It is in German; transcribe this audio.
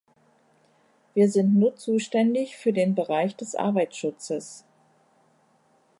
Wir sind nur zuständig für den Bereich des Arbeitsschutzes.